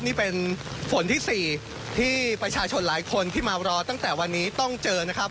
นี่เป็นฝนที่๔ที่ประชาชนหลายคนที่มารอตั้งแต่วันนี้ต้องเจอนะครับ